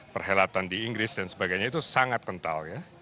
perhelatan di inggris dan sebagainya itu sangat kental ya